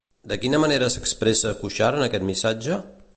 De quina manera s'expressa Cuixart en aquest missatge?